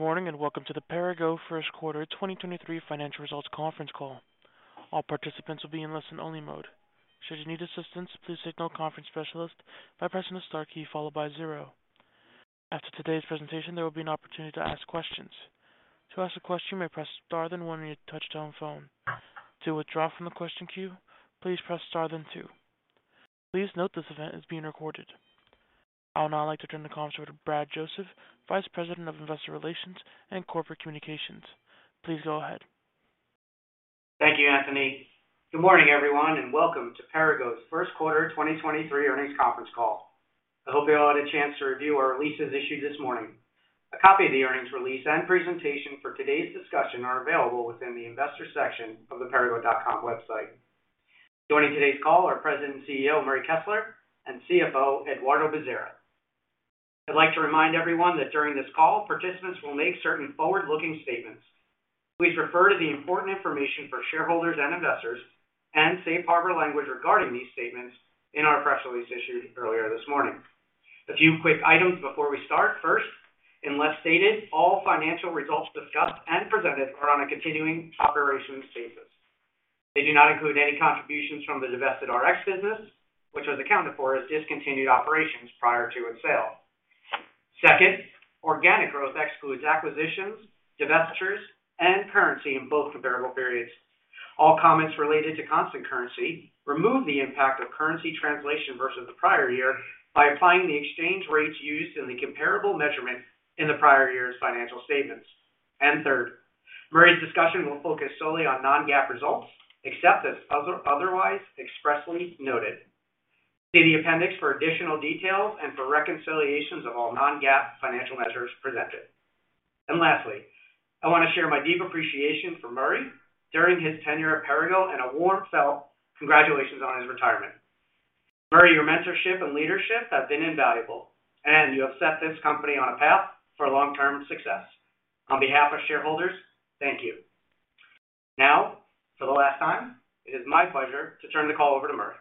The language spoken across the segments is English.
Good morning, welcome to the Perrigo First Quarter 2023 Financial Results Conference Call. All participants will be in listen-only mode. Should you need assistance, please signal a conference specialist by pressing the star key followed by zero. After today's presentation, there will be an opportunity to ask questions. To ask a question, you may press star, then one on your touchtone phone. To withdraw from the question queue, please press star then two. Please note this event is being recorded. I would now like to turn the call over to Brad Joseph, Vice President of Investor Relations and Corporate Communications. Please go ahead. Thank you, Anthony. Good morning, everyone, and welcome to Perrigo's First Quarter 2023 earnings conference call. I hope you all had a chance to review our releases issued this morning. A copy of the earnings release and presentation for today's discussion are available within the investor section of the perrigo.com website. Joining today's call are President and CEO, Murray Kessler, and CFO, Eduardo Bezerra. I'd like to remind everyone that during this call, participants will make certain forward-looking statements. Please refer to the important information for shareholders and investors and safe harbor language regarding these statements in our press release issued earlier this morning. A few quick items before we start. First, unless stated, all financial results discussed and presented are on a continuing operations basis. They do not include any contributions from the divested Rx business, which was accounted for as discontinued operations prior to its sale. Organic growth excludes acquisitions, divestitures, and currency in both comparable periods. All comments related to constant currency remove the impact of currency translation versus the prior year by applying the exchange rates used in the comparable measurements in the prior year's financial statements. Third, Murray's discussion will focus solely on non-GAAP results, except as otherwise expressly noted. See the appendix for additional details and for reconciliations of all non-GAAP financial measures presented. Lastly, I wanna share my deep appreciation for Murray during his tenure at Perrigo, and a warm felt congratulations on his retirement. Murray, your mentorship and leadership have been invaluable, and you have set this company on a path for long-term success. On behalf of shareholders, thank you. For the last time, it is my pleasure to turn the call over to Murray.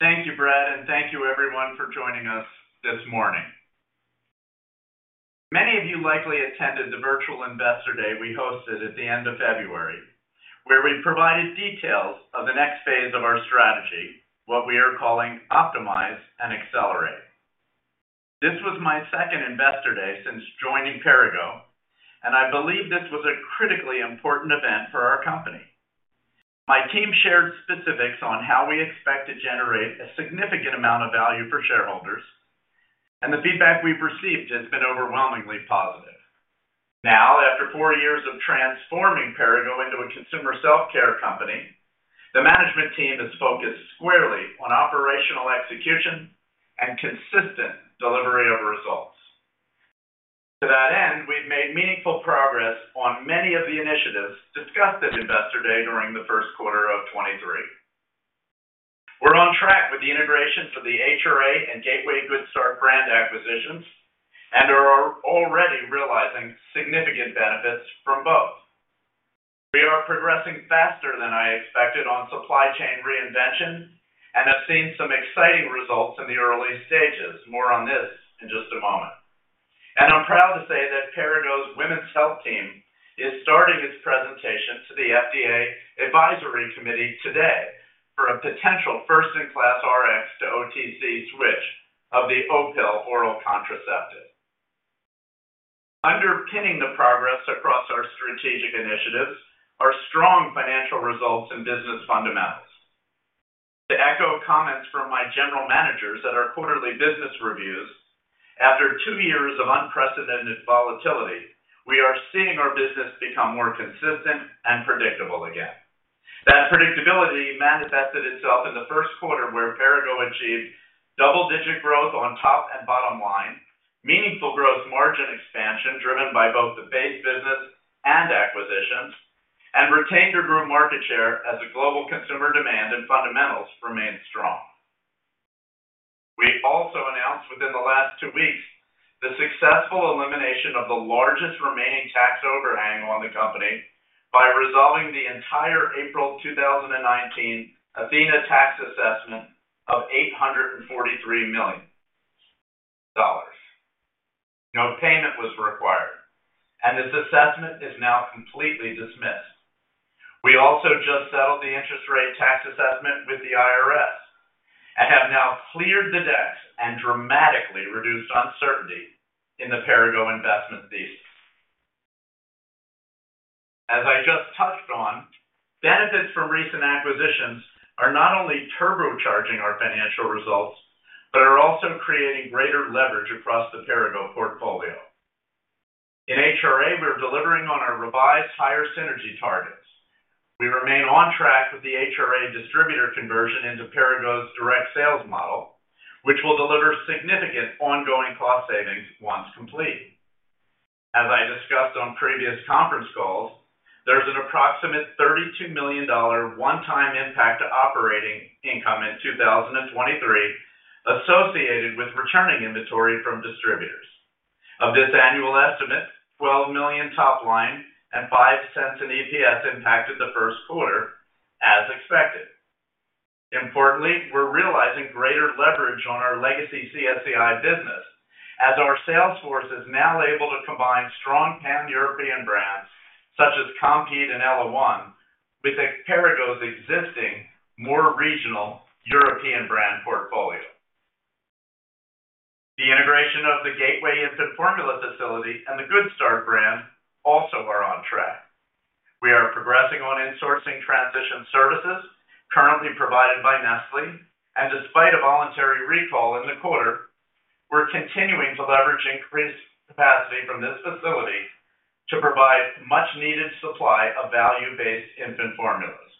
Thank you, Brad, and thank you everyone for joining us this morning. Many of you likely attended the virtual Investor Day we hosted at the end of February, where we provided details of the next phase of our strategy, what we are calling Optimize and Accelerate. This was my second Investor Day since joining Perrigo, and I believe this was a critically important event for our company. My team shared specifics on how we expect to generate a significant amount of value for shareholders, and the feedback we've received has been overwhelmingly positive. Now, after four years of transforming Perrigo into a consumer self-care company, the management team is focused squarely on operational execution and consistent delivery of results. To that end, we've made meaningful progress on many of the initiatives discussed at Investor Day during the first quarter of 2023. We're on track with the integration for the HRA and Gateway Good Start brand acquisitions and are already realizing significant benefits from both. We are progressing faster than I expected on supply chain reinvention and have seen some exciting results in the early stages. More on this in just a moment. I'm proud to say that Perrigo's women's health team is starting its presentation to the FDA Advisory Committee today for a potential first-in-class Rx to OTC switch of the Opill oral contraceptive. Underpinning the progress across our strategic initiatives are strong financial results and business fundamentals. To echo comments from my general managers at our quarterly business reviews, after two years of unprecedented volatility, we are seeing our business become more consistent and predictable again. That predictability manifested itself in the first quarter, where Perrigo achieved double-digit growth on top and bottom line, meaningful growth margin expansion driven by both the base business and acquisitions, and retained or grew market share as the global consumer demand and fundamentals remained strong. We also announced within the last two weeks the successful elimination of the largest remaining tax overhang on the company by resolving the entire April 2019 Athena tax assessment of $843 million. No payment was required, and this assessment is now completely dismissed. We also just settled the interest rate tax assessment with the IRS and have now cleared the decks and dramatically reduced uncertainty in the Perrigo investment thesis. As I just touched on, benefits from recent acquisitions are not only turbocharging our financial results, but are also creating greater leverage across the Perrigo portfolio. In HRA, we are delivering on our revised higher synergy targets. We remain on track with the HRA distributor conversion into Perrigo's direct sales model, which will deliver significant ongoing cost savings once complete. As I discussed on previous conference calls, there's an approximate $32 million one-time impact to operating income in 2023 associated with returning inventory from distributors. Of this annual estimate, $12 million top line and $0.05 in EPS impacted the first quarter as expected. Importantly, we're realizing greater leverage on our legacy CSEI business as our sales force is now able to combine strong Pan-European brands such as Compeed and ellaOne with Perrigo's existing more regional European brand portfolio. The integration of the Gateway Infant Formula facility and the Good Start brand also are on track. We are progressing on insourcing transition services currently provided by Nestlé. Despite a voluntary recall in the quarter, we're continuing to leverage increased capacity from this facility to provide much-needed supply of value-based infant formulas.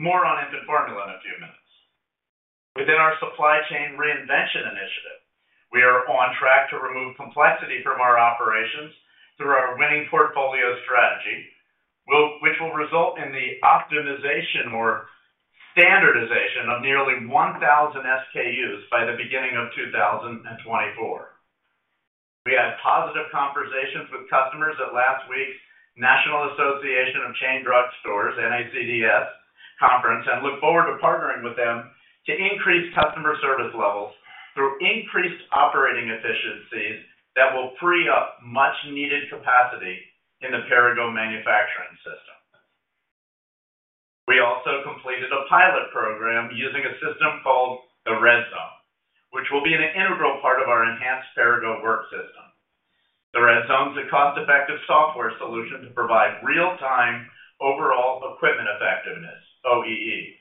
More on infant formula in a few minutes. Within our supply chain reinvention initiative, we are on track to remove complexity from our operations through our winning portfolio strategy, which will result in the optimization or standardization of nearly 1,000 SKUs by the beginning of 2024. We had positive conversations with customers at last week's National Association of Chain Drug Stores, NACDS, conference, and look forward to partnering with them to increase customer service levels through increased operating efficiencies that will free up much-needed capacity in the Perrigo manufacturing system. We also completed a pilot program using a system called the Redzone, which will be an integral part of our enhanced Perrigo work system. The Redzone is a cost-effective software solution to provide real-time overall equipment effectiveness, OEE.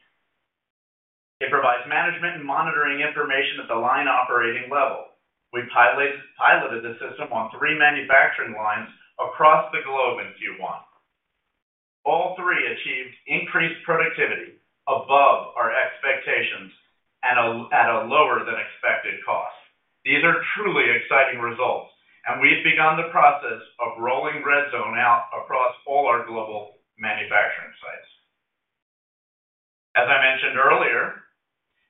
It provides management and monitoring information at the line operating level. We piloted this system on three manufacturing lines across the globe in Q1. All three achieved increased productivity above our expectations at a lower than expected cost. These are truly exciting results. We've begun the process of rolling Redzone out across all our global manufacturing sites. As I mentioned earlier,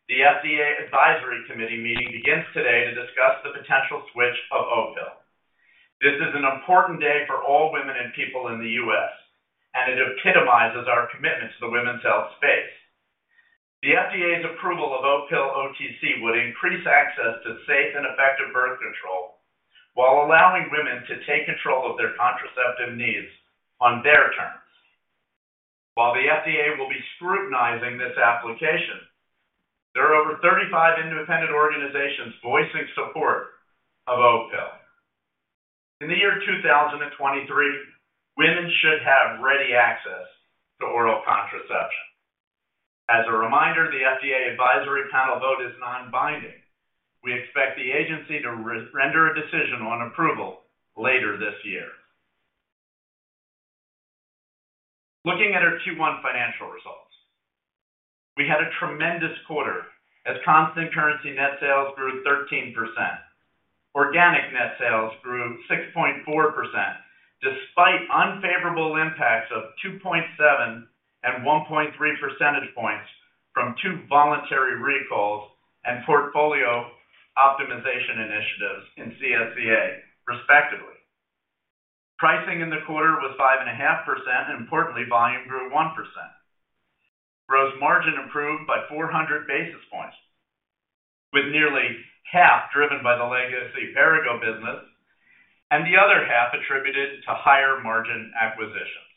the FDA advisory committee meeting begins today to discuss the potential switch of Opill. This is an important day for all women and people in the U.S., and it epitomizes our commitment to the women's health space. The FDA's approval of Opill OTC would increase access to safe and effective birth control while allowing women to take control of their contraceptive needs on their terms. While the FDA will be scrutinizing this application, there are over 35 independent organizations voicing support of Opill. In 2023, women should have ready access to oral contraception. As a reminder, the FDA advisory panel vote is non-binding. We expect the agency to render a decision on approval later this year. Looking at our Q1 financial results. We had a tremendous quarter as constant currency net sales grew 13%. Organic net sales grew 6.4% despite unfavorable impacts of 2.7 and 1.3 percentage points from two voluntary recalls and portfolio optimization initiatives in CSCA, respectively. Pricing in the quarter was 5.5% and importantly, volume grew 1%. Gross margin improved by 400 basis points, with nearly half driven by the legacy Perrigo business and the other half attributed to higher-margin acquisitions.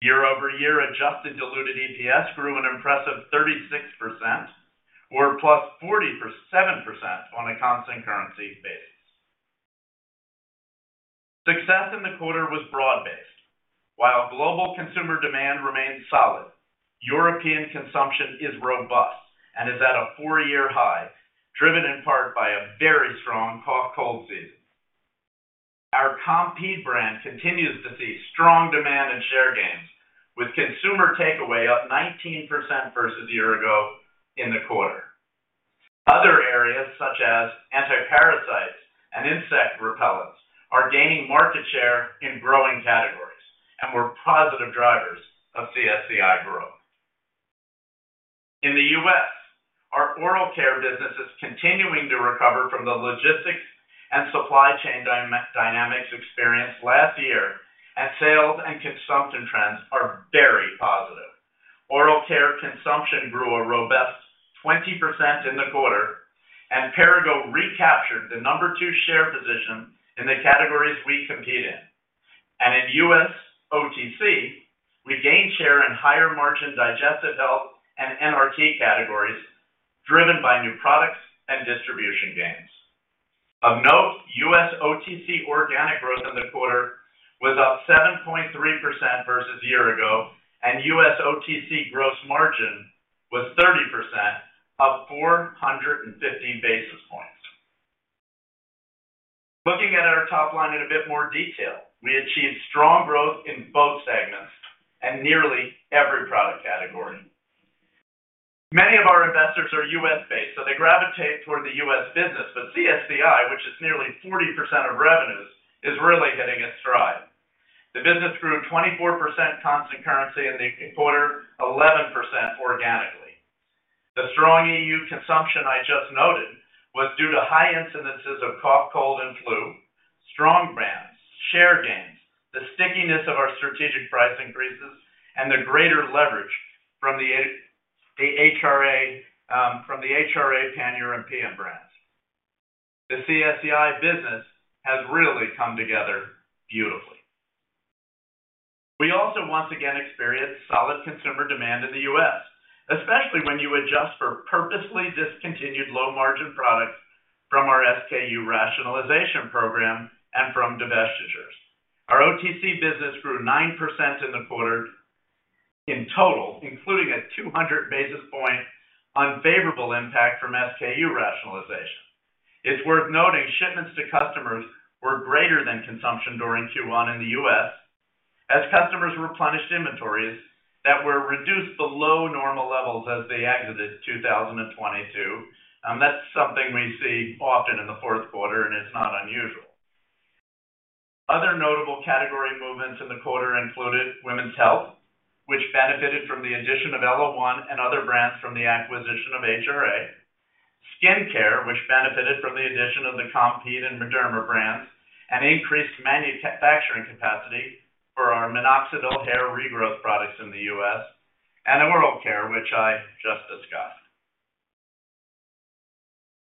Year-over-year adjusted diluted EPS grew an impressive 36% or +47% on a constant currency basis. Success in the quarter was broad-based. While global consumer demand remains solid, European consumption is robust and is at a 4-year high, driven in part by a very strong cough cold season. Our Compeed brand continues to see strong demand and share gains, with consumer takeaway up 19% versus a year ago in the quarter. Other areas such as anti-parasites and insect repellents are gaining market share in growing categories and were positive drivers of CSCI growth. In the U.S., our oral care business is continuing to recover from the logistics and supply chain dynamics experienced last year, sales and consumption trends are very positive. Oral care consumption grew a robust 20% in the quarter, Perrigo recaptured the number two share position in the categories we compete in. In U.S. OTC, we gained share in higher-margin digestive health and NRT categories driven by new products and distribution gains. Of note, U.S. OTC organic growth in the quarter was up 7.3% versus a year ago, U.S. OTC gross margin was 30%, up 450 basis points. Looking at our top line in a bit more detail, we achieved strong growth in both segments and nearly every product category. Many of our investors are U.S.-based, they gravitate toward the U.S. business. CSEI, which is nearly 40% of revenues, is really hitting its stride. The business grew 24% constant currency in the quarter, 11% organically. The strong EU consumption I just noted was due to high incidences of cough, cold, and flu, strong brands, share gains, the stickiness of our strategic price increases, and the greater leverage from the HRA Pan-European brands. The CSEI business has really come together beautifully. We also once again experienced solid consumer demand in the U.S., especially when you adjust for purposely discontinued low-margin products from our SKU rationalization program and from divestitures. Our OTC business grew 9% in the quarter in total, including a 200 basis point unfavorable impact from SKU rationalization. It's worth noting shipments to customers were greater than consumption during Q1 in the U.S. as customers replenished inventories that were reduced below normal levels as they exited 2022. That's something we see often in the fourth quarter, and it's not unusual. Other notable category movements in the quarter included women's health, which benefited from the addition of ellaOne and other brands from the acquisition of HRA. Skincare, which benefited from the addition of the Compeed and Mederma brands, and increased manufacturing capacity for our minoxidil hair regrowth products in the U.S., and oral care, which I just discussed.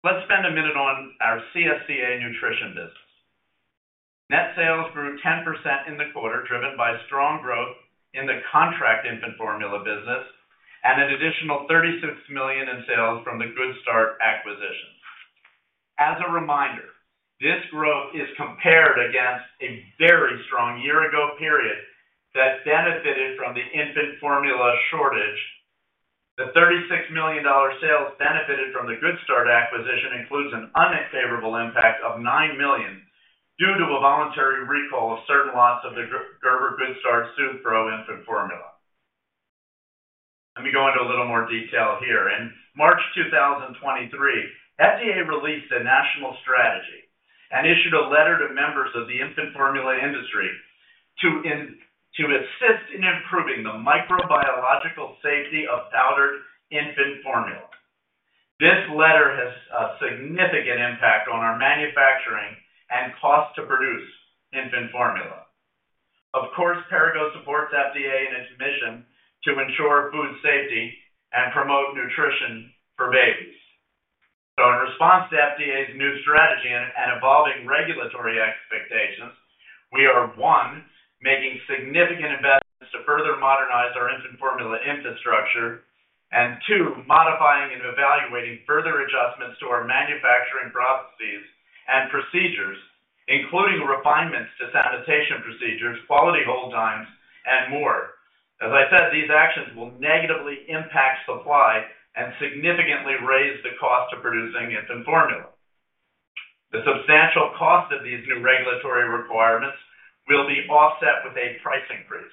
Let's spend a minute on our CSCA nutrition business. Net sales grew 10% in the quarter, driven by strong growth in the contract infant formula business and an additional $36 million in sales from the Good Start acquisition. As a reminder, this growth is compared against a very strong year-ago period that benefited from the infant formula shortage. The $36 million sales benefited from the Good Start acquisition includes an unfavorable impact of $9 million due to a voluntary recall of certain lots of the Gerber Good Start SoothePro infant formula. Let me go into a little more detail here. In March 2023, FDA released a national strategy and issued a letter to members of the infant formula industry to assist in improving the microbiological safety of powdered infant formula. This letter has a significant impact on our manufacturing and cost to produce infant formula. Of course, Perrigo supports FDA in its mission to ensure food safety and promote nutrition for babies. In response to FDA's new strategy and evolving regulatory expectations, we are, one, making significant investments to further modernize our infant formula infrastructure. Two, modifying and evaluating further adjustments to our manufacturing processes and procedures, including refinements to sanitation procedures, quality hold times, and more. As I said, these actions will negatively impact supply and significantly raise the cost of producing infant formula. The substantial cost of these new regulatory requirements will be offset with a price increase.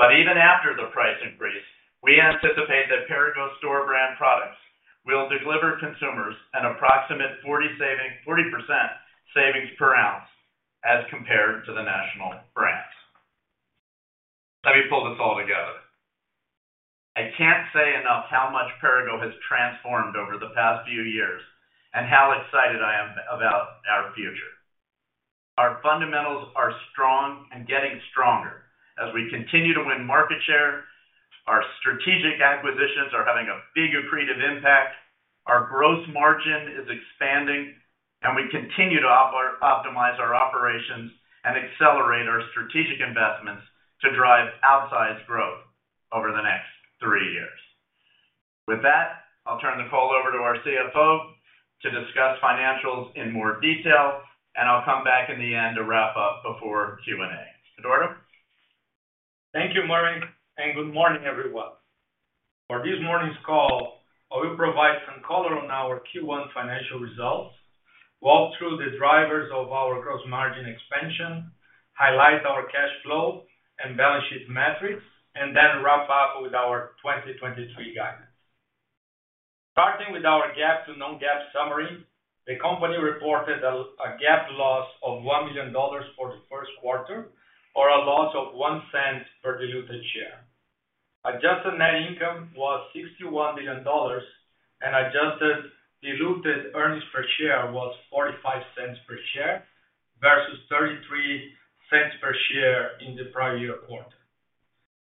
Even after the price increase, we anticipate that Perrigo store brand products will deliver consumers an approximate 40% savings per ounce as compared to the national brands. Let me pull this all together. I can't say enough how much Perrigo has transformed over the past few years and how excited I am about our future. Our fundamentals are strong and getting stronger as we continue to win market share. Our strategic acquisitions are having a big accretive impact. Our gross margin is expanding. We continue to optimize our operations and accelerate our strategic investments to drive outsized growth over the next 3 years. With that, I'll turn the call over to our CFO to discuss financials in more detail. I'll come back in the end to wrap up before Q&A. Eduardo? Thank you, Murray. Good morning, everyone. For this morning's call, I will provide some color on our Q1 financial results, walk through the drivers of our gross margin expansion, highlight our cash flow and balance sheet metrics, and then wrap up with our 2023 guidance. Starting with our GAAP to non-GAAP summary, the company reported a GAAP loss of $1 million for the first quarter or a loss of $0.01 per diluted share. Adjusted net income was $61 million, and adjusted diluted earnings per share was $0.45 per share versus $0.33 per share in the prior year quarter.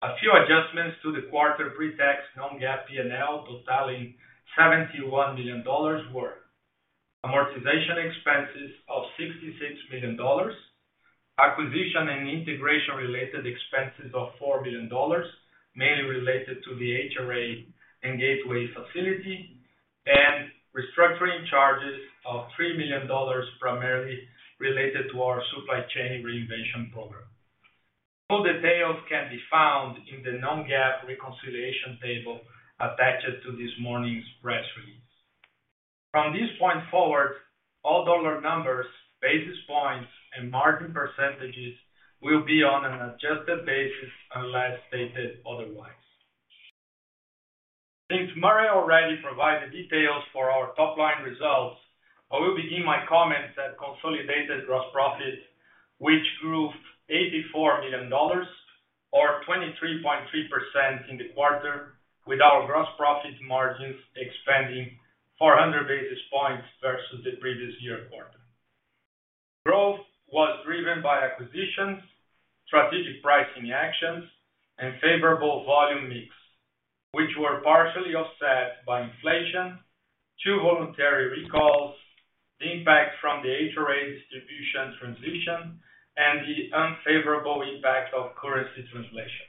A few adjustments to the quarter pre-tax non-GAAP P&L totaling $71 million were: amortization expenses of $66 million, acquisition and integration-related expenses of $4 million, mainly related to the HRA and Gateway facility, and restructuring charges of $3 million, primarily related to our supply chain reinvention program. Full details can be found in the non-GAAP reconciliation table attached to this morning's press release. From this point forward, all dollar numbers, basis points, and margin percentages will be on an adjusted basis unless stated otherwise. Since Murray already provided details for our top-line results, I will begin my comments at consolidated gross profit, which grew $84 million, or 23.3% in the quarter, with our gross profit margins expanding 400 basis points versus the previous year quarter. Growth was driven by acquisitions, strategic pricing actions, and favorable volume mix, which were partially offset by inflation, two voluntary recalls, the impact from the HRA distribution transition, and the unfavorable impact of currency translation.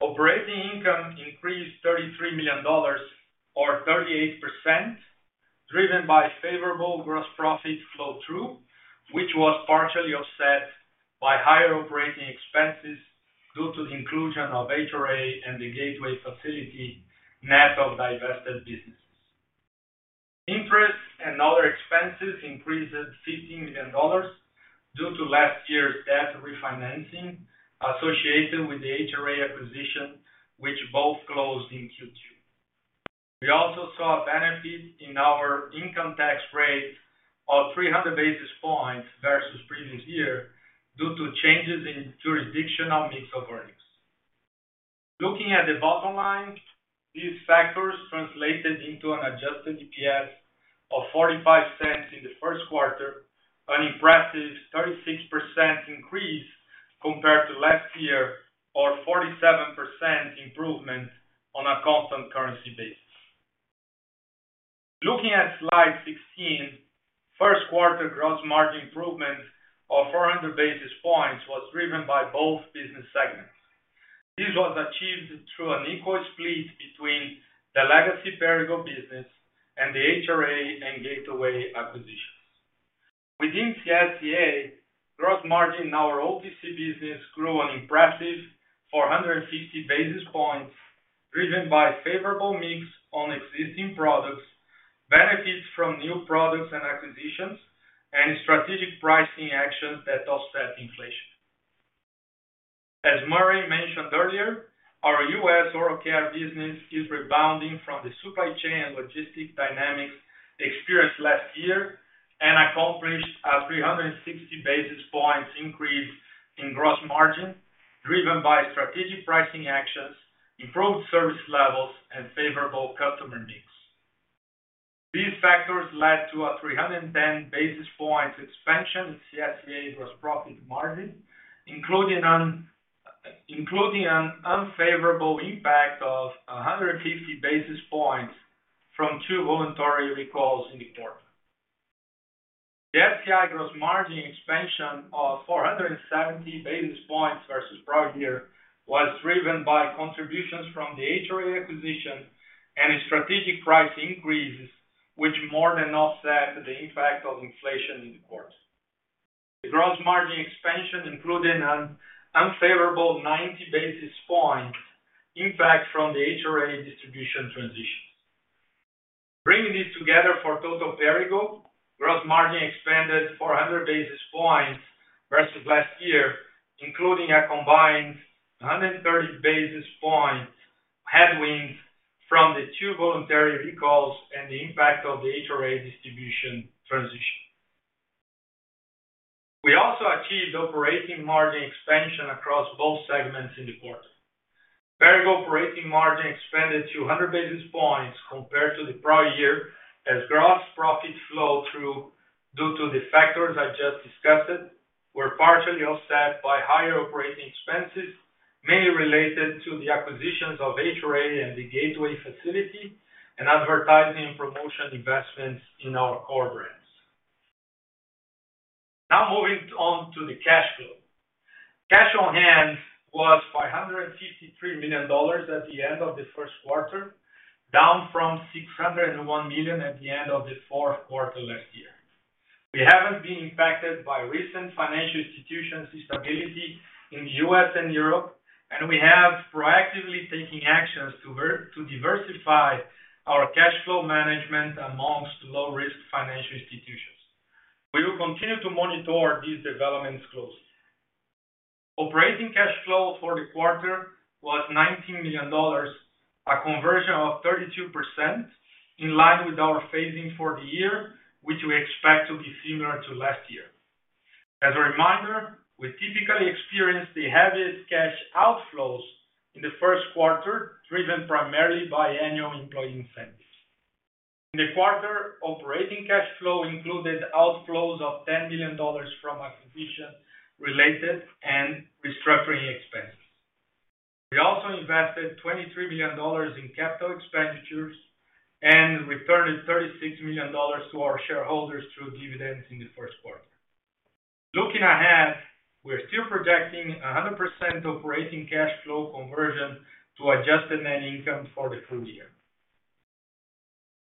Operating income increased $33 million or 38%, driven by favorable gross profit flow-through, which was partially offset by higher operating expenses due to the inclusion of HRA and the Gateway facility net of divested businesses. Interest and other expenses increased $15 million due to last year's debt refinancing associated with the HRA acquisition, which both closed in Q2. We also saw a benefit in our income tax rate of 300 basis points versus previous year due to changes in jurisdictional mix of earnings. Looking at the bottom line, these factors translated into an adjusted EPS of $0.45 in the first quarter, an impressive 36% increase compared to last year or 47% improvement on a constant currency basis. Looking at slide 16, first quarter gross margin improvement of 400 basis points was driven by both business segments. This was achieved through an equal split between the legacy Perrigo business and the HRA and Gateway acquisitions. Within CSCA, gross margin in our OTC business grew an impressive 450 basis points, driven by favorable mix on existing products, benefits from new products and acquisitions, and strategic pricing actions that offset inflation. As Murray mentioned earlier, our U.S. Oral Care business is rebounding from the supply chain and logistics dynamics experienced last year, and accomplished a 360 basis points increase in gross margin, driven by strategic pricing actions, improved service levels, and favorable customer mix. These factors led to a 310 basis points expansion in CSCA's gross profit margin, including an unfavorable impact of 150 basis points from two voluntary recalls in the quarter. The FTI gross margin expansion of 470 basis points versus prior year was driven by contributions from the HRA acquisition and strategic price increases, which more than offset the impact of inflation in the quarter. The gross margin expansion included an unfavorable 90 basis points impact from the HRA distribution transitions. Bringing this together for total Perrigo, gross margin expanded 400 basis points versus last year, including a combined 130 basis points headwind from the two voluntary recalls and the impact of the HRA distribution transition. We also achieved operating margin expansion across both segments in the quarter. Perrigo operating margin expanded 200 basis points compared to the prior year as gross profit flow through due to the factors I just discussed, were partially offset by higher operating expenses, mainly related to the acquisitions of HRA and the Gateway facility and advertising promotion investments in our core brands. Moving on to the cash flow. Cash on hand was $553 million at the end of the first quarter, down from $601 million at the end of the fourth quarter last year. We haven't been impacted by recent financial institutions instability in the U.S. and Europe, and we have proactively taking actions to diversify our cash flow management amongst low-risk financial institutions. We will continue to monitor these developments closely. Operating cash flow for the quarter was $19 million, a conversion of 32% in line with our phasing for the year, which we expect to be similar to last year. As a reminder, we typically experience the heaviest cash outflows in the first quarter, driven primarily by annual employee incentives. In the quarter, operating cash flow included outflows of $10 million from acquisition-related and restructuring expenses. We also invested $23 million in capital expenditures and returned $36 million to our shareholders through dividends in the first quarter. Looking ahead, we're still projecting 100% operating cash flow conversion to adjusted net income for the full year.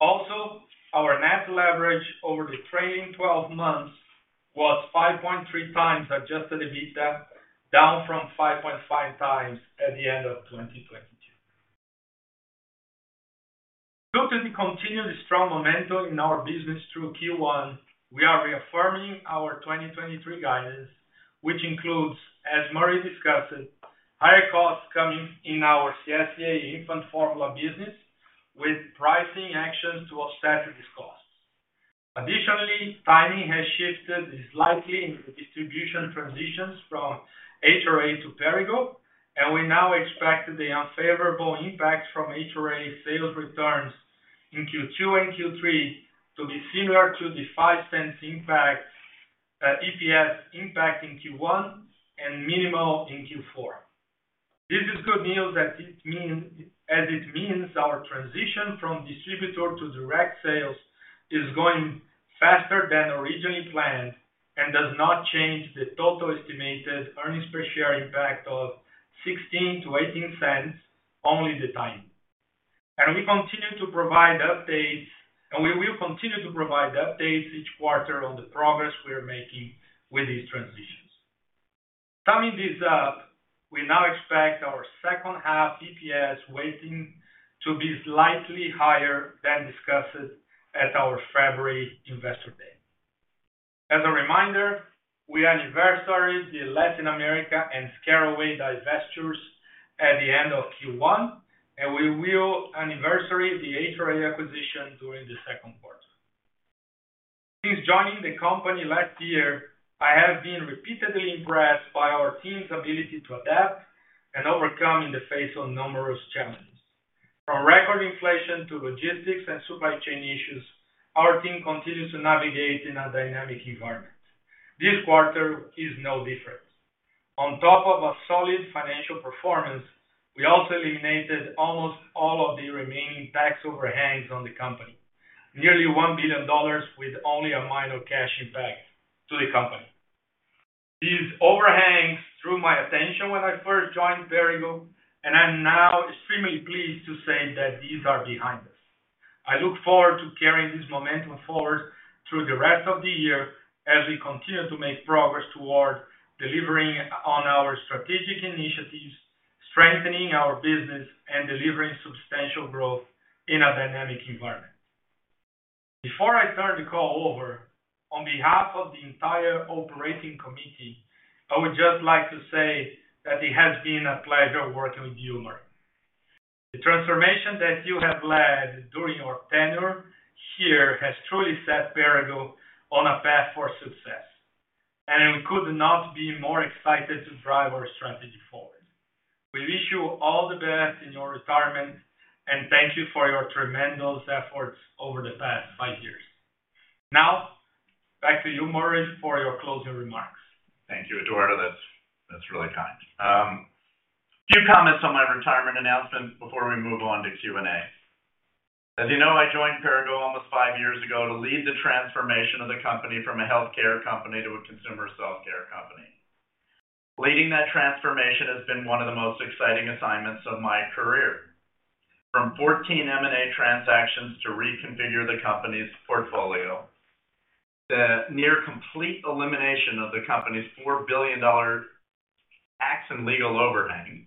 Also, our net leverage over the trailing 12 months was 5.3 times adjusted EBITDA, down from 5.5 times at the end of 2022. Due to the continued strong momentum in our business through Q1, we are reaffirming our 2023 guidance, which includes, as Murray discussed, higher costs coming in our CSCA infant formula business with pricing actions to offset these costs. Additionally, timing has shifted slightly in the distribution transitions from HRA to Perrigo, and we now expect the unfavorable impact from HRA sales returns in Q2 and Q3 to be similar to the $0.05 impact, EPS impact in Q1 and minimal in Q4. This is good news as it means our transition from distributor to direct sales is going faster than originally planned and does not change the total estimated earnings per share impact of $0.16-$0.18, only the time. We continue to provide updates, and we will continue to provide updates each quarter on the progress we are making with these transitions. Summing this up, we now expect our second half EPS weighting to be slightly higher than discussed at our February investor day. As a reminder, we anniversaried the Latin America and ScarAway divestitures at the end of Q1, and we will anniversary the HRA acquisition during the second quarter. Since joining the company last year, I have been repeatedly impressed by our team's ability to adapt and overcome in the face of numerous challenges. From record inflation to logistics and supply chain issues, our team continues to navigate in a dynamic environment. This quarter is no different. On top of a solid financial performance, we also eliminated almost all of the remaining tax overhangs on the company. Nearly $1 billion with only a minor cash impact to the company. These overhangs drew my attention when I first joined Perrigo, and I'm now extremely pleased to say that these are behind us. I look forward to carrying this momentum forward through the rest of the year as we continue to make progress towards delivering on our strategic initiatives, strengthening our business, and delivering substantial growth in a dynamic environment. Before I turn the call over, on behalf of the entire operating committee, I would just like to say that it has been a pleasure working with you, Murray. The transformation that you have led during your tenure here has truly set Perrigo on a path for success, and we could not be more excited to drive our strategy forward. We wish you all the best in your retirement, and thank you for your tremendous efforts over the past five years. Now back to you, Murray, for your closing remarks. Thank you, Eduardo. That's really kind. A few comments on my retirement announcement before we move on to Q&A. As you know, I joined Perrigo almost five years ago to lead the transformation of the company from a healthcare company to a consumer self-care company. Leading that transformation has been one of the most exciting assignments of my career. From 14 M&A transactions to reconfigure the company's portfolio, the near complete elimination of the company's $4 billion tax and legal overhang,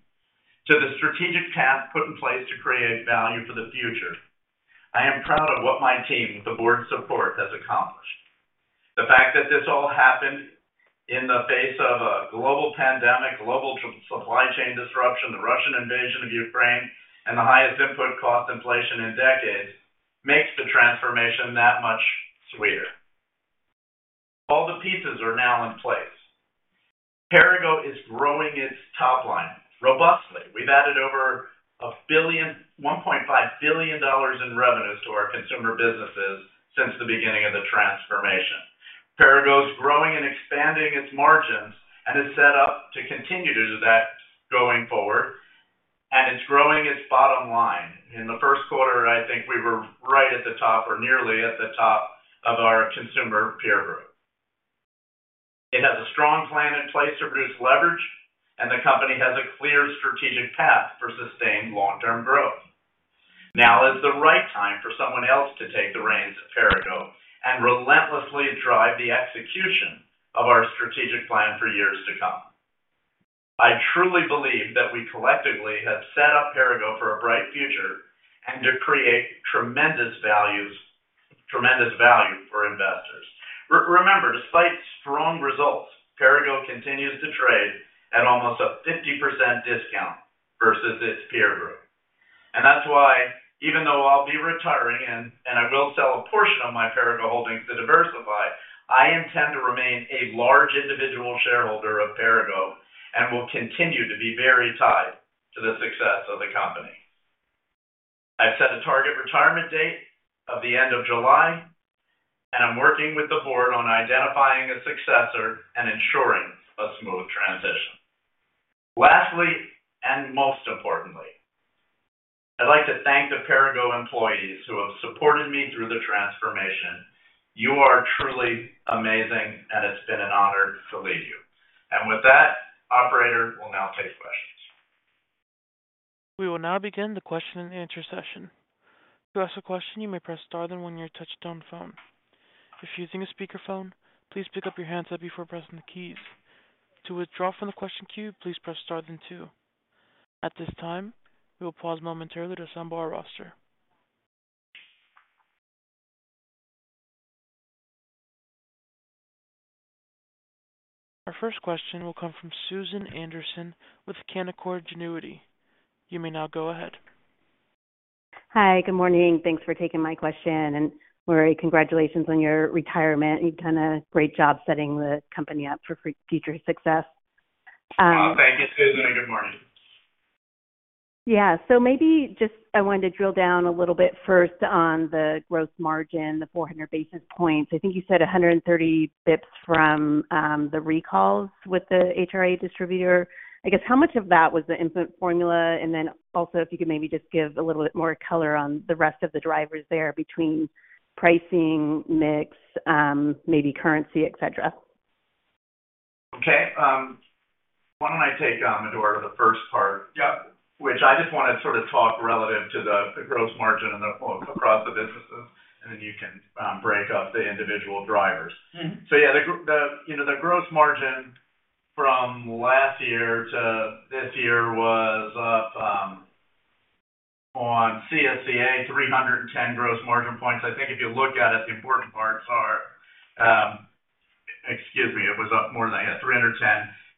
to the strategic path put in place to create value for the future. I am proud of what my team, with the board's support, has accomplished. The fact that this all happened in the face of a global pandemic, global supply chain disruption, the Russian invasion of Ukraine, and the highest input cost inflation in decades, makes the transformation that much sweeter. All the pieces are now in place. Perrigo is growing its top line robustly. We've added over a billion, $1.5 billion in revenues to our consumer businesses since the beginning of the transformation. Perrigo is growing and expanding its margins and is set up to continue to do that going forward. It's growing its bottom line. In the first quarter, I think we were right at the top or nearly at the top of our consumer peer group. It has a strong plan in place to reduce leverage. The company has a clear strategic path for sustained long-term growth. Now is the right time for someone else to take the reins at Perrigo and relentlessly drive the execution of our strategic plan for years to come. I truly believe that we collectively have set up Perrigo for a bright future and to create tremendous value for investors. Remember, despite strong results, Perrigo continues to trade at almost a 50% discount versus its peer group. That's why even though I'll be retiring and I will sell a portion of my Perrigo holdings to diversify, I intend to remain a large individual shareholder of Perrigo and will continue to be very tied to the success of the company. I've set a target retirement date of the end of July, and I'm working with the board on identifying a successor and ensuring a smooth transition. Lastly, most importantly, I'd like to thank the Perrigo employees who have supported me through the transformation. You are truly amazing, and it's been an honor to lead you. With that, operator, we'll now take questions. We will now begin the question and answer session. To ask a question, you may press star then one on your touchtone phone. If using a speakerphone, please pick up your handset before pressing the keys. To withdraw from the question queue, please press star then two. At this time, we will pause momentarily to assemble our roster. Our first question will come from Susan Anderson with Canaccord Genuity. You may now go ahead. Hi. Good morning. Thanks for taking my question, and Larry, congratulations on your retirement. You've done a great job setting the company up for future success. Oh, thank you, Susan, and good morning. Yeah. Maybe just I wanted to drill down a little bit first on the gross margin, the 400 basis points. I think you said 130 Bips from the recalls with the HRA distributor. I guess how much of that was the infant formula? Also, if you could maybe just give a little bit more color on the rest of the drivers there between pricing, mix, maybe currency, et cetera. Okay. why don't I take on, Eduardo, the first part? Yeah. Which I just wanna sort of talk relative to the gross margin and across the businesses, and then you can, break up the individual drivers. Yeah, the gross margin from last year to this year was up on CSCA 310 gross margin points. I think if you look at it, the important parts are. Excuse me, it was up more than that, 310.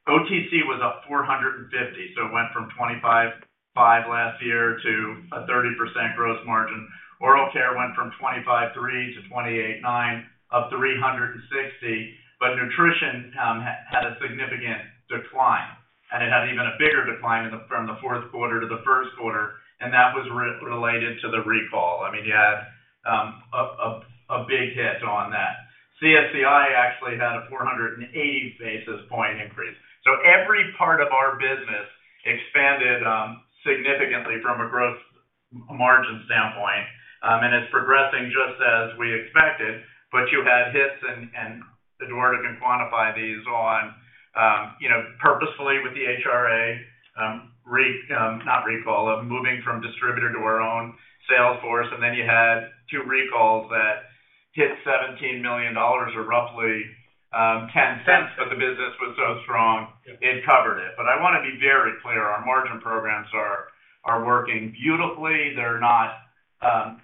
OTC was up 450, it went from 25.5 last year to a 30% gross margin. Oral care went from 25.3 to 28.9, up 360. Nutrition had a significant decline, and it had even a bigger decline from the fourth quarter to the first quarter, and that was related to the recall. I mean, you had a big hit on that. CSCI actually had a 480 basis point increase. Every part of our business expanded significantly from a growth margin standpoint. It's progressing just as we expected. You had hits, and Eduardo can quantify these on, you know, purposefully with the HRA, not recall. Of moving from distributor to our own sales force. You had two recalls that hit $17 million or roughly 10% of the business was so strong it covered it. I wanna be very clear, our margin programs are working beautifully. They're not,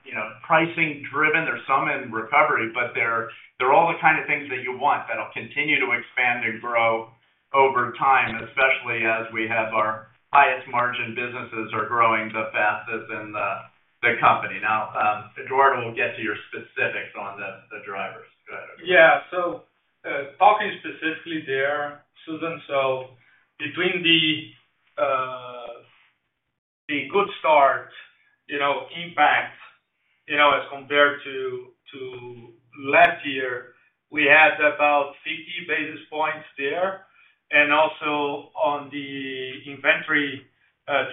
you know, pricing driven. There's some in recovery. They're all the kind of things that you want that'll continue to expand and grow over time, especially as we have our highest margin businesses are growing the fastest in the company. Eduardo will get to your specifics on the drivers. Go ahead, Eduardo. Yeah. Talking specifically there, Susan, between the Good Start, you know, impact, you know, as compared to last year, we had about 50 basis points there. Also on the inventory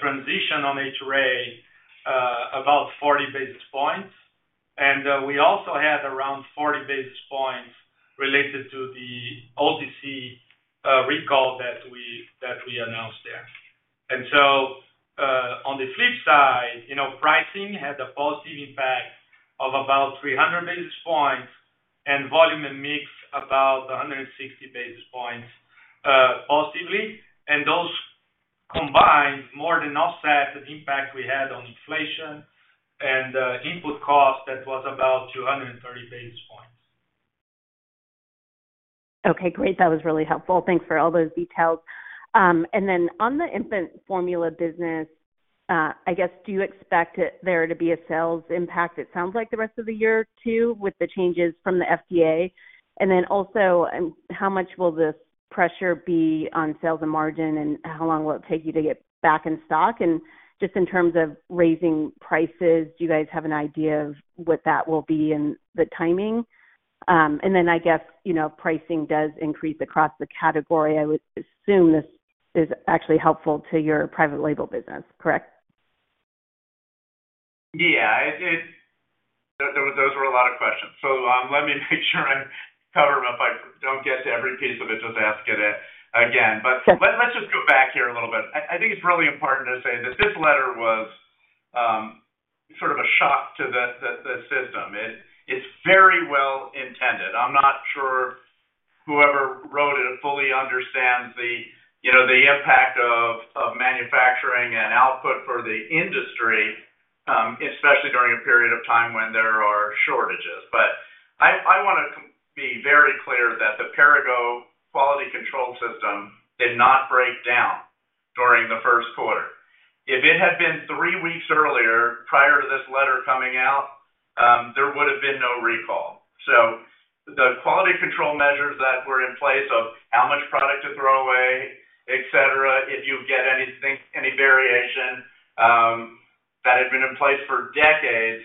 transition on HRA, about 40 basis points. We also had around 40 basis points related to the OTC recall that we announced there. On the flip side, you know, pricing had a positive impact of about 300 basis points and volume and mix about 160 basis points positively. Those combined more than offset the impact we had on inflation and input costs that was about 230 basis points. Okay, great. That was really helpful. Thanks for all those details. On the infant formula business, I guess, do you expect there to be a sales impact, it sounds like the rest of the year too, with the changes from the FDA? Also, how much will this pressure be on sales and margin, and how long will it take you to get back in stock? Just in terms of raising prices, do you guys have an idea of what that will be and the timing? I guess, you know, pricing does increase across the category. I would assume this is actually helpful to your private label business, correct? Yeah. It those were a lot of questions. Let me make sure I cover them. If I don't get to every piece of it, just ask it again. Sure. Let's just go back here a little bit. I think it's really important to say that this letter was sort of a shock to the system. It's very well-intended. I'm not sure whoever wrote it fully understands the, you know, the impact of manufacturing and output for the industry, especially during a period of time when there are shortages. I wanna be very clear that the Perrigo quality control system did not break down during the first quarter. If it had been three weeks earlier, prior to this letter coming out, there would have been no recall. The quality control measures that were in place of how much product to throw away, et cetera, if you get anything, any variation, that had been in place for decades,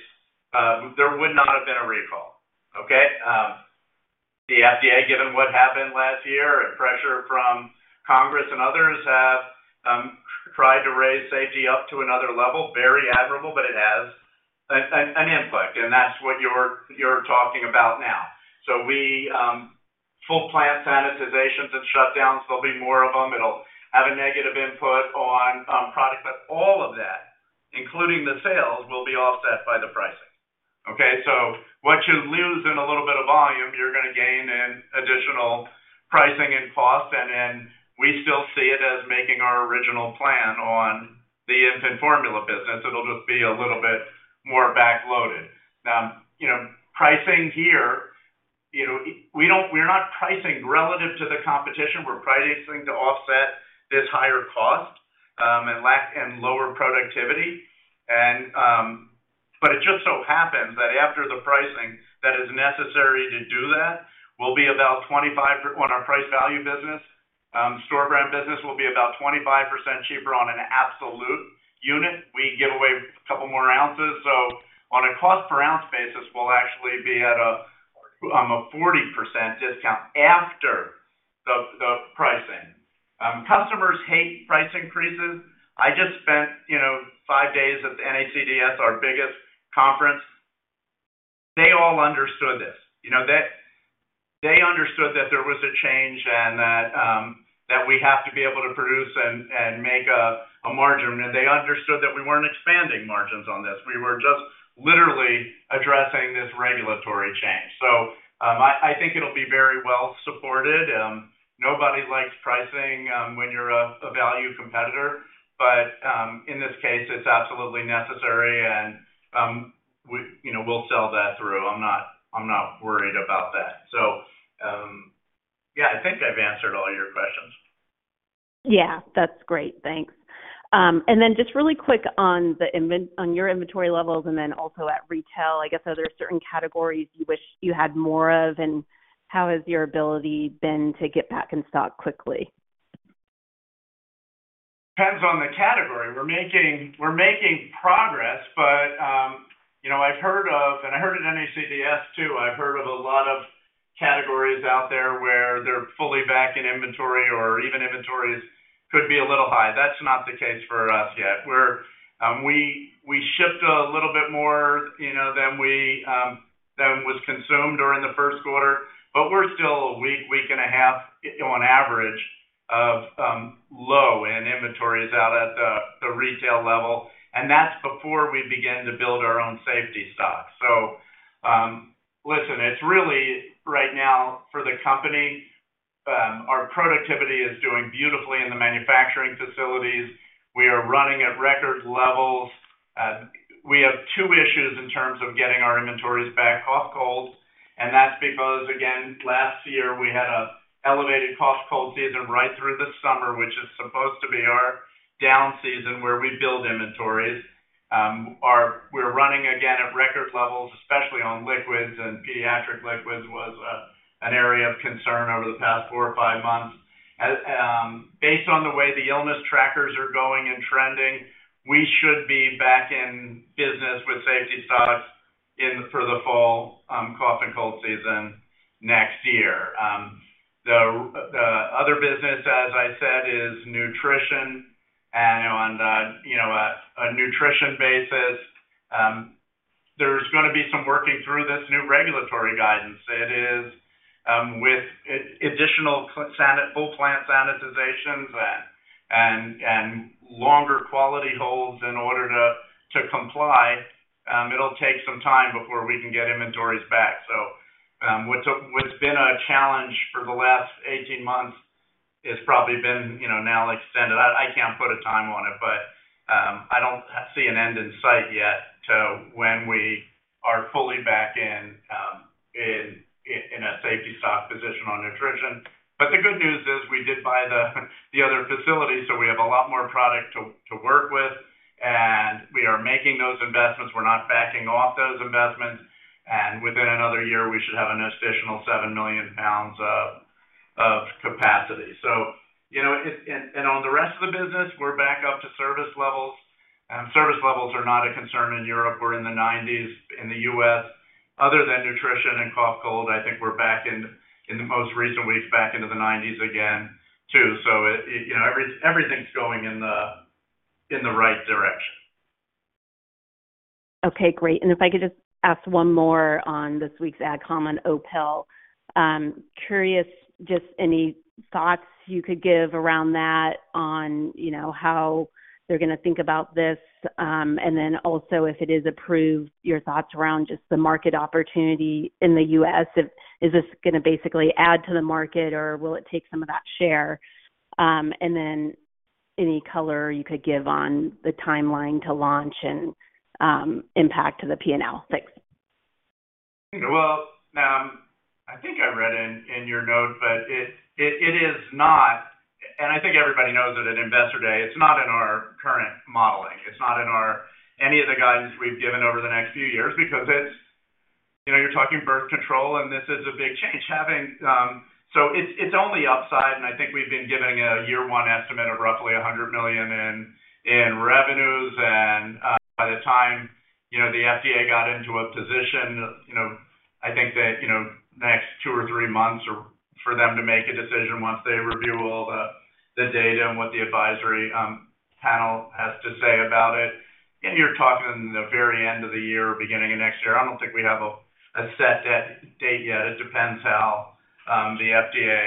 there would not have been a recall. Okay? The FDA, given what happened last year and pressure from Congress and others, have tried to raise safety up to another level. Very admirable, but it has an impact, and that's what you're talking about now. We, full plant sanitizations and shutdowns, there'll be more of them. It'll have a negative input on product. All of that, including the sales, will be offset by the pricing. Okay? What you lose in a little bit of volume, you're gonna gain in additional pricing and costs, and then we still see it as making our original plan on the infant formula business. It'll just be a little bit more backloaded. Pricing here, you know, we're not pricing relative to the competition. We're pricing to offset this higher cost, and lack and lower productivity. It just so happens that after the pricing that is necessary to do that will be about 25... On our price value business, store brand business will be about 25% cheaper on an absolute unit. We give away a couple more ounces. On a cost per ounce basis, we'll actually be at a 40% discount after the pricing. Customers hate price increases. I just spent, you know, 5 days at the NACDS, our biggest conference. They all understood this, you know. They understood that there was a change and that we have to be able to produce and make a margin. They understood that we weren't expanding margins on this. We were just literally addressing this regulatory change. I think it'll be very well-supported. Nobody likes pricing, when you're a value competitor. In this case, it's absolutely necessary and, we, you know, we'll sell that through. I'm not, I'm not worried about that. Yeah, I think I've answered all your questions. Yeah, that's great. Thanks. Just really quick on your inventory levels and then also at retail, I guess are there certain categories you wish you had more of, and how has your ability been to get back in stock quickly? Depends on the category. We're making progress, but, you know, I've heard of, and I heard at NACDS, too, I've heard of a lot of categories out there where they're fully back in inventory or even inventories could be a little high. That's not the case for us yet. We shipped a little bit more, you know, than we, than was consumed during the first quarter, but we're still a week and a half on average of low in inventories out at the retail level. That's before we begin to build our own safety stock. Listen, it's really right now for the company, our productivity is doing beautifully in the manufacturing facilities. We are running at record levels. We have two issues in terms of getting our inventories back off cold, and that's because, again, last year we had a elevated cough cold season right through the summer, which is supposed to be our down season where we build inventories. We're running again at record levels, especially on liquids and pediatric liquids was an area of concern over the past four or five months. Based on the way the illness trackers are going and trending, we should be back in business with safety stocks in for the fall, cough and cold season next year. The other business, as I said, is nutrition. On the, you know, a nutrition basis, there's gonna be some working through this new regulatory guidance. It is with additional full plant sanitizations and longer quality holds in order to comply, it'll take some time before we can get inventories back. What's been a challenge for the last 18 months has probably been, you know, now extended. I can't put a time on it, but I don't see an end in sight yet to when we are fully back in a safety stock position on nutrition. The good news is we did buy the other facility, so we have a lot more product to work with, and we are making those investments. We're not backing off those investments. Within another year, we should have an additional 7 million pounds of capacity. You know, it... On the rest of the business, we're back up to service levels, and service levels are not a concern in Europe. We're in the 90s in the U.S. Other than nutrition and cough, cold, I think we're back in the most recent weeks, back into the 90s again, too. It, you know, everything's going in the right direction. Okay, great. If I could just ask one more on this week's ad comm on Opill. Curious, just any thoughts you could give around that on, you know, how they're gonna think about this. Also, if it is approved, your thoughts around just the market opportunity in the U.S. Is this gonna basically add to the market or will it take some of that share? Any color you could give on the timeline to launch and impact to the P&L? Thanks. Well, I think I read in your note, but it is not, and I think everybody knows it at Investor Day, it's not in our current modeling. It's not in any of the guidance we've given over the next few years because it's, you know, you're talking birth control, and this is a big change. Having, so it's only upside, and I think we've been given a year one estimate of roughly $100 million in revenues. By the time, you know, the FDA got into a position, you know, I think that, you know, next two or three months or for them to make a decision once they review all the data and what the advisory panel has to say about it. You're talking the very end of the year or beginning of next year. I don't think we have a set de-date yet. It depends how the FDA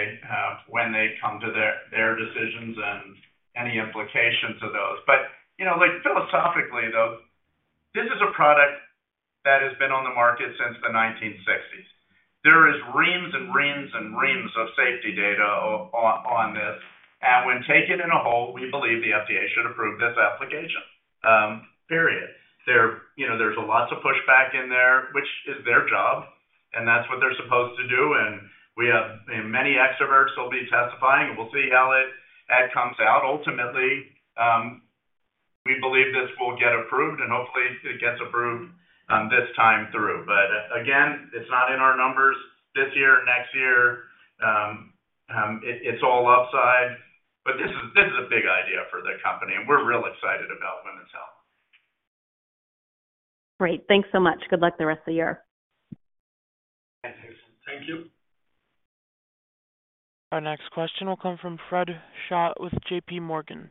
when they come to their decisions and any implications of those. You know, like, philosophically, though, this is a product that has been on the market since the 1960s. There is reams and reams and reams of safety data on this. When taken in a whole, we believe the FDA should approve this application, period. There, you know, there's lots of pushback in there, which is their job, and that's what they're supposed to do. We have many extroverts will be testifying, and we'll see how it comes out. Ultimately, we believe this will get approved, and hopefully it gets approved this time through. Again, it's not in our numbers this year, next year. It's all upside. This is a big idea for the company, and we're real excited about women's health. Great. Thanks so much. Good luck the rest of the year. Thanks. Thank you. Our next question will come from Chris Schott with J.P. Morgan.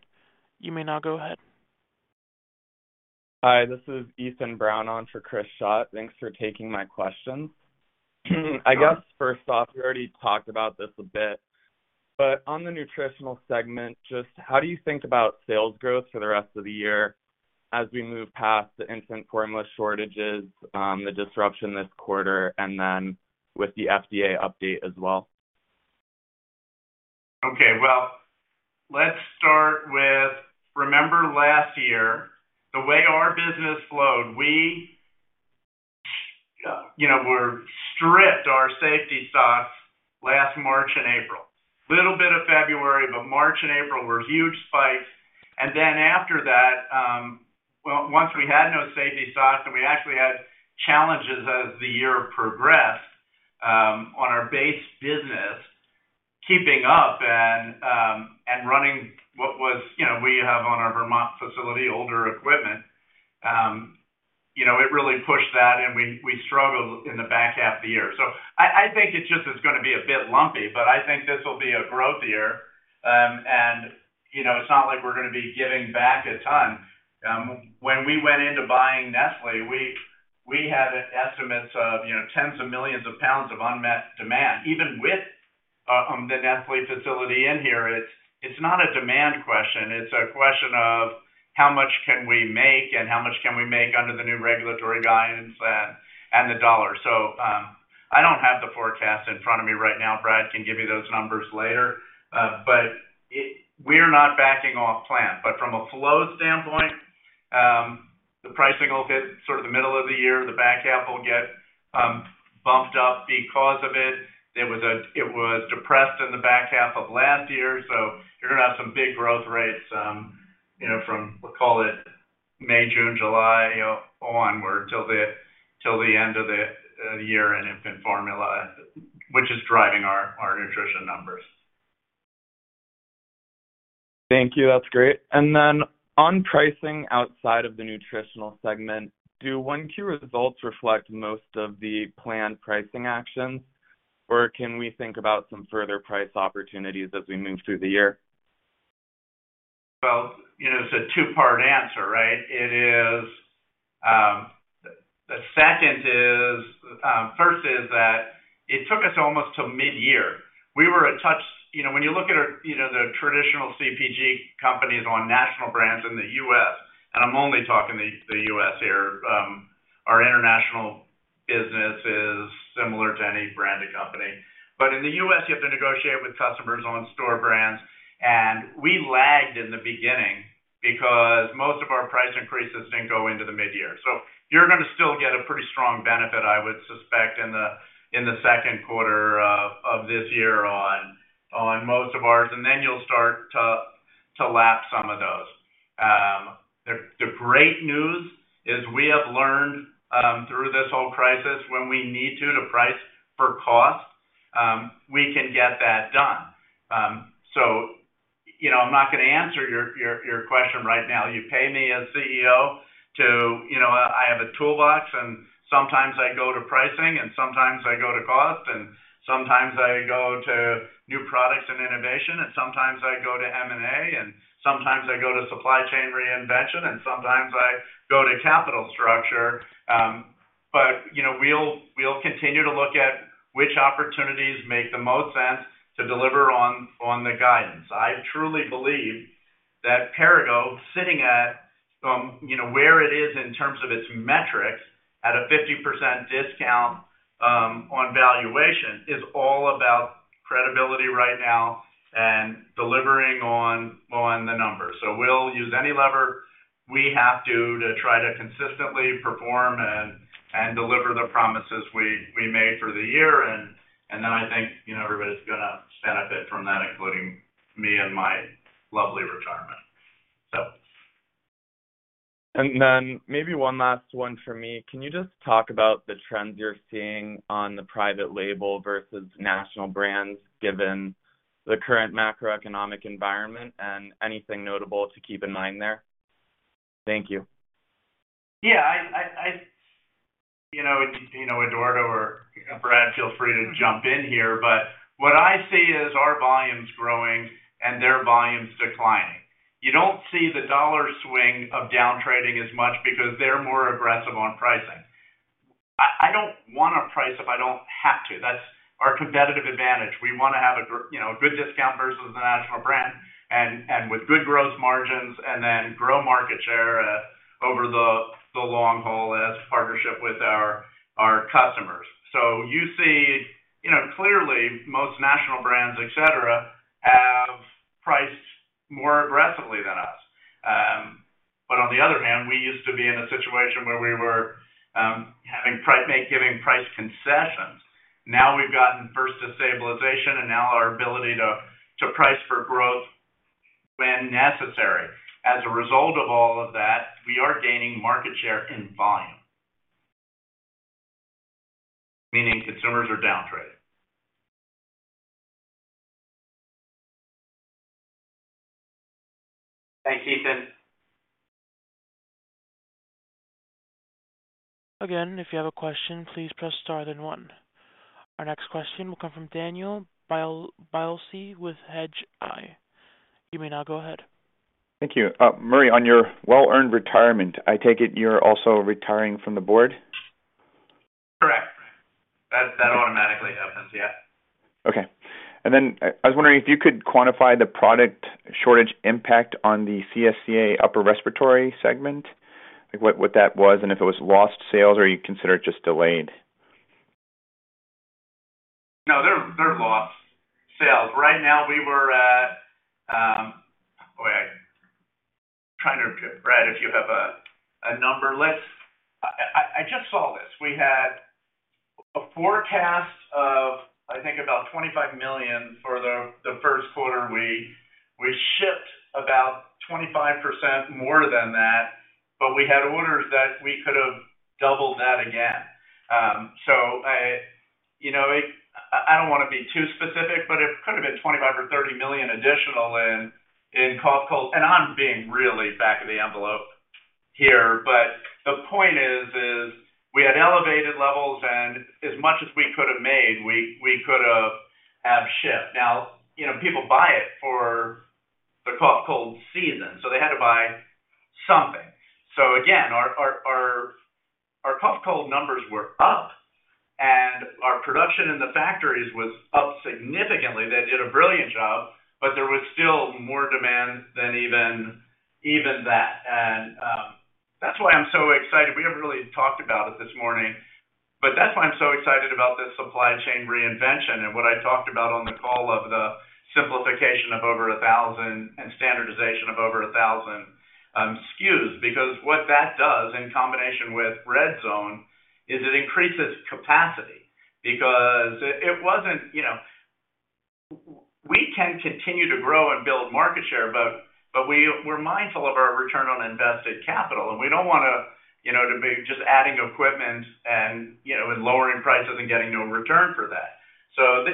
You may now go ahead. Hi, this is Ethan Brown on for Chris Schott. Thanks for taking my questions. I guess first off, you already talked about this a bit, but on the nutritional segment, just how do you think about sales growth for the rest of the year as we move past the instant formula shortages, the disruption this quarter and then with the FDA update as well? Okay. Well, let's start with, remember last year, the way our business flowed, we, you know, stripped our safety stocks last March and April. Little bit of February, but March and April were huge spikes. Then after that, well, once we had no safety stocks, and we actually had challenges as the year progressed, on our base business, keeping up and running what was, you know, we have on our Vermont facility, older equipment, you know, it really pushed that and we struggled in the back half of the year. I think it just is gonna be a bit lumpy, but I think this will be a growth year. And, you know, it's not like we're gonna be giving back a ton. When we went into buying Nestlé, we had estimates of, you know, tens of millions of pounds of unmet demand. Even with the Nestlé facility in here, it's not a demand question, it's a question of how much can we make and how much can we make under the new regulatory guidance and the dollar. I don't have the forecast in front of me right now. Brad can give you those numbers later. We're not backing off plan. From a flow standpoint, the pricing will hit sort of the middle of the year. The back half will get bumped up because of it. It was depressed in the back half of last year, so you're gonna have some big growth rates, you know, from, we'll call it May, June, July, you know, onward till the end of the year in infant formula, which is driving our nutrition numbers. Thank you. That's great. Then on pricing outside of the nutritional segment, do 1Q results reflect most of the planned pricing actions, or can we think about some further price opportunities as we move through the year? Well, you know, it's a two-part answer, right? It is. The second is, first is that it took us almost till mid-year. When you look at our, you know, the traditional CPG companies on national brands in the U.S., and I'm only talking the U.S. here, our international business is similar to any branded company. In the U.S., you have to negotiate with customers on store brands, and we lagged in the beginning because most of our price increases didn't go into the mid-year. You're gonna still get a pretty strong benefit, I would suspect, in the second quarter of this year on most of ours, and then you'll start to lap some of those. The great news is we have learned through this whole crisis, when we need to price for cost, we can get that done. I'm not gonna answer your question right now. You pay me as CEO to, you know, I have a toolbox and sometimes I go to pricing and sometimes I go to cost, and sometimes I go to new products and innovation, and sometimes I go to M&A, and sometimes I go to supply chain reinvention, and sometimes I go to capital structure. We'll continue to look at which opportunities make the most sense to deliver on the guidance. I truly believe that Perrigo sitting at, you know, where it is in terms of its metrics at a 50% discount on valuation is all about credibility right now and delivering on the numbers. We'll use any lever we have to try to consistently perform and deliver the promises we made for the year. Then I think, you know, everybody's gonna benefit from that, including me and my lovely retirement. So. Then maybe one last one for me. Can you just talk about the trends you're seeing on the private label versus national brands, given the current macroeconomic environment and anything notable to keep in mind there? Thank you. Yeah. Eduardo or Brad, feel free to jump in here, but what I see is our volumes growing and their volumes declining. You don't see the dollar swing of down trading as much because they're more aggressive on pricing. I don't wanna price if I don't have to. Our competitive advantage. We want to have a you know, a good discount versus the national brand and with good gross margins, and then grow market share over the long haul as partnership with our customers. You see, you know, clearly most national brands, et cetera, have priced more aggressively than us. On the other hand, we used to be in a situation where we were giving price concessions. We've gotten first to stabilization and now our ability to price for growth when necessary. As a result of all of that, we are gaining market share in volume. Meaning consumers are downtrading. Thanks, Ethan. Again, if you have a question, please press star then one. Our next question will come from Daniel Biolsi with Hedgeye. You may now go ahead. Thank you. Murray, on your well-earned retirement, I take it you're also retiring from the board? Correct. That automatically happens, yeah. Okay. I was wondering if you could quantify the product shortage impact on the CSCA upper respiratory segment, like what that was and if it was lost sales or you consider it just delayed? No, they're lost sales. Right now we were at. Boy. Brad, if you have a number. Let's. I just saw this. We had a forecast of, I think about $25 million for the first quarter. We shipped about 25% more than that, but we had orders that we could have doubled that again. I don't wanna be too specific, but it could have been $25 million or $30 million additional in cough, cold. I'm being really back of the envelope here, but the point is we had elevated levels and as much as we could have made, we could have shipped. People buy it for the cough, cold season, so they had to buy something. Again, our cough cold numbers were up and our production in the factories was up significantly. They did a brilliant job, but there was still more demand than even that. That's why I'm so excited. We haven't really talked about it this morning, but that's why I'm so excited about this supply chain reinvention and what I talked about on the call of the simplification of over 1,000 and standardization of over 1,000 SKUs. What that does in combination with Redzone is it increases capacity because it wasn't, you know. We can continue to grow and build market share, but we're mindful of our return on invested capital, and we don't wanna, you know, to be just adding equipment and, you know, and lowering prices and getting no return for that.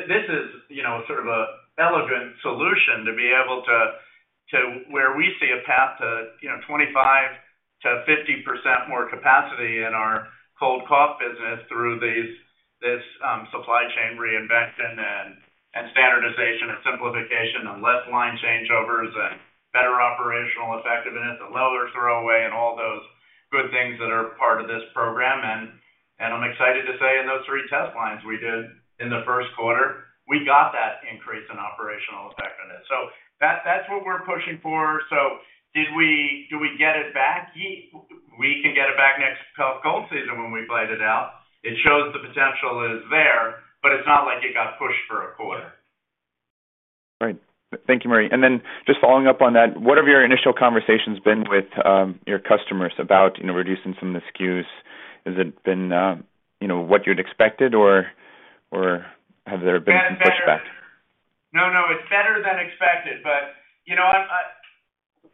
This is, you know, sort of an elegant solution to be able to where we see a path to, you know, 25%-50% more capacity in our cold cough business through these, this supply chain reinvention and standardization and simplification and less line changeovers and better operational effectiveness and lower throwaway and all those good things that are part of this program. I'm excited to say in those 3 test lines we did in the first quarter, we got that increase in operational effectiveness. That's what we're pushing for. Did we get it back? We can get it back next cough, cold season when we played it out. It shows the potential is there, but it's not like it got pushed for a quarter. Right. Thank you, Murray. Then just following up on that, what have your initial conversations been with your customers about, you know, reducing some of the SKUs? Has it been, you know, what you'd expected or have there been some pushback? No, no, it's better than expected.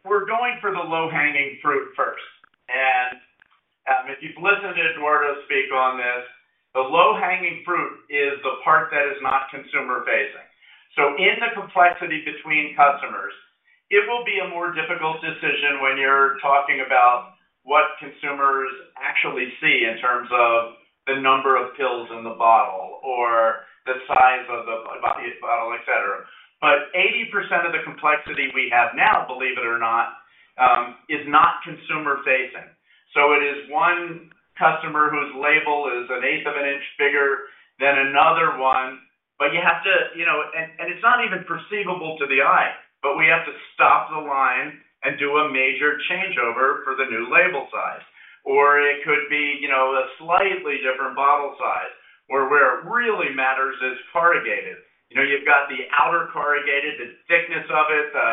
We're going for the low-hanging fruit first. If you've listened to Eduardo speak on this, the low-hanging fruit is the part that is not consumer-facing. In the complexity between customers, it will be a more difficult decision when you're talking about what consumers actually see in terms of the number of pills in the bottle or the size of the bottle, et cetera. 80% of the complexity we have now, believe it or not, is not consumer-facing. It is one customer whose label is an eighth of an inch bigger than another one. You have to, you know. It's not even perceivable to the eye, but we have to stop the line and do a major changeover for the new label size. Or it could be, you know, a slightly different bottle size where it really matters is corrugated. You've got the outer corrugated, the thickness of it, the,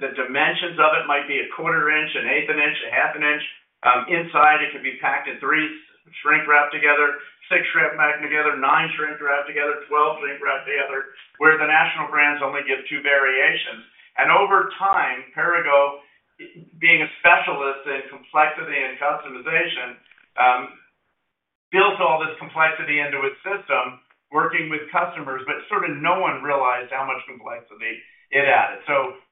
the dimensions of it might be a quarter inch, an eighth an inch, a half an inch. Inside it could be packed in 3 shrink wrap together, 6 shrink packed together, 9 shrink wrapped together, 12 shrink wrapped together, where the national brands only give 2 variations. Over time, Perrigo, being a specialist in complexity and customization, builds all this complexity into its system working with customers, but sort of no one realized how much complexity it added.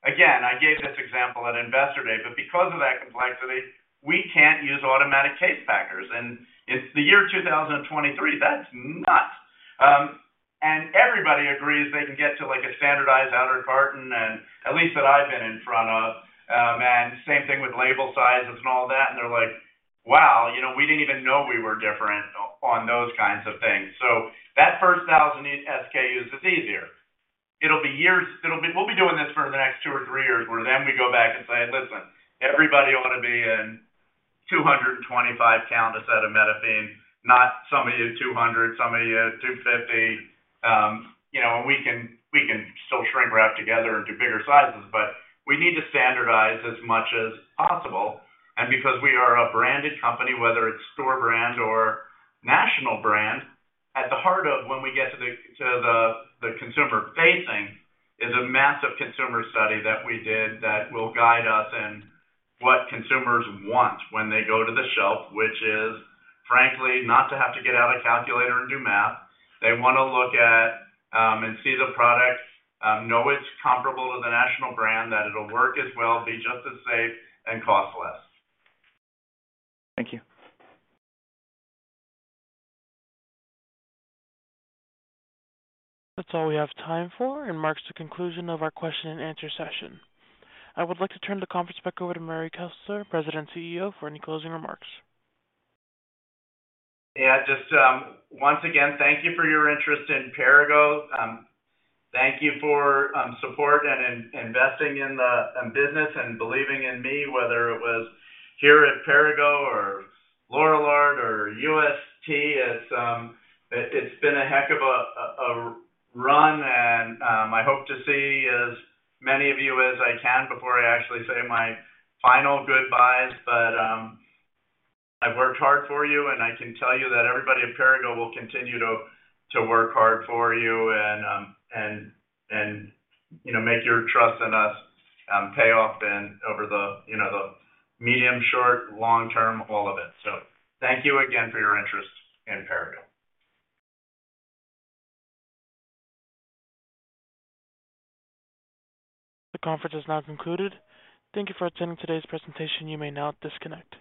Again, I gave this example at Investor Day, but because of that complexity, we can't use automatic case packers. It's the year 2023. That's nuts. Everybody agrees they can get to a standardized outer carton and at least that I've been in front of, and same thing with label sizes and all that, and they're like, Wow, you know, we didn't even know we were different on those kinds of things. That first 1,000 SKUs is easier. It'll be years. We'll be doing this for the next two or three years, where we go back and say, "Listen, everybody ought to be in 225 count a set of Metamucil, not some of you 200, some of you 250." We can still shrink wrap together into bigger sizes, but we need to standardize as much as possible. Because we are a branded company, whether it's store brand or national brand, at the heart of when we get to the consumer-facing is a massive consumer study that we did that will guide us in what consumers want when they go to the shelf, which is frankly, not to have to get out a calculator and do math. They wanna look at, and see the products, know it's comparable to the national brand, that it'll work as well, be just as safe and cost less. Thank you. That's all we have time for and marks the conclusion of our question and answer session. I would like to turn the conference back over to Murray Kessler, President, CEO, for any closing remarks. Yeah, just, once again, thank you for your interest in Perrigo. Thank you for support and investing in the business and believing in me, whether it was here at Perrigo or Lorillard or UST. It's been a heck of a run and I hope to see as many of you as I can before I actually say my final goodbyes. I've worked hard for you, and I can tell you that everybody at Perrigo will continue to work hard for you and, you know, make your trust in us, pay off in over the, you know, the medium, short, long term, all of it. Thank you again for your interest in Perrigo. The conference has now concluded. Thank you for attending today's presentation. You may now disconnect.